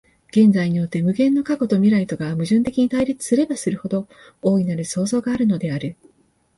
現在において無限の過去と未来とが矛盾的に対立すればするほど、大なる創造があるのである。